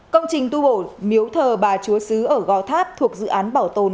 công trình tu bổ miếu thờ bà chúa sứ ở gò tháp thuộc dự án bảo tồn